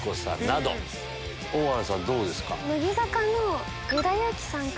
矢田さんどうですか？